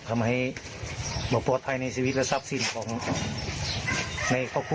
ทำให้ระเบิดไพ่ในชีวิตเวอร์ทัพสิ่งของในครอบครัว